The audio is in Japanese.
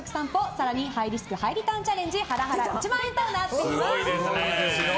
更にハイリスクハイリターンチャレンジハラハラ１万円コーナーとなっています。